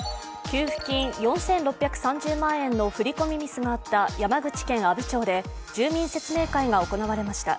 給付金４６３０万円の振り込みミスがあった山口県阿武町で住民説明会が行われました。